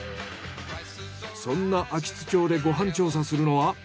そんな安芸津町でご飯調査するのは。